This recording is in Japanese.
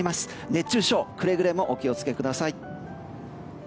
熱中症、くれぐれもお気を付けください。